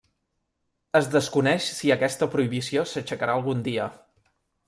Es desconeix si aquesta prohibició s'aixecarà algun dia.